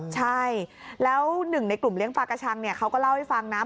ใช่แล้วหนึ่งในกลุ่มเลี้ยงปลากระชังเขาก็เล่าให้ฟังนะ